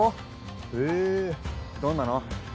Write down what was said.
へぇどんなの？